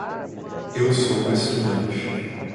Eu sou estudante.